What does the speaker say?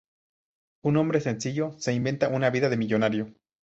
Un hombre sencillo se inventa una vida de millonario.